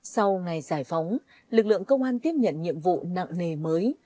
sau ngày giải phóng lực lượng công an tiếp nhận nhiệm vụ nặng nề mới